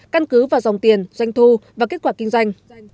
căn cứ vào dòng tiền doanh thu và kết quả kinh doanh